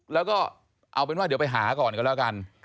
แล้วก็เอาเป็นว่าเดี๋ยวไปหาก่อนกันแล้วกัน